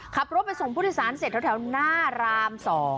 ขับรถไปส่งผู้โดยสารเสร็จแถวหน้าราม๒